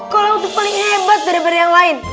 kalo aku tuh paling hebat daripada yang lain